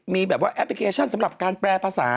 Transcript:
มีแบบว่าแอปพลิเคชันสำหรับการแปลภาษา